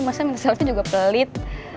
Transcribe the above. masa minta selfie juga pelit